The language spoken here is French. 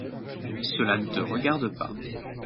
Cela ne te regarde pas.